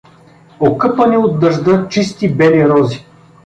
Окъпани от дъжда, чисти, бели рози.